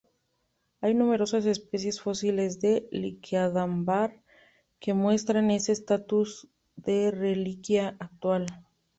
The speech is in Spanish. Hay numerosas especies fósiles de "Liquidambar" que muestran ese estatus de reliquia actual.